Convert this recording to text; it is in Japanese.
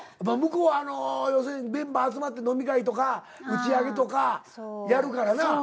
向こうは要するにメンバー集まって飲み会とか打ち上げとかやるからな。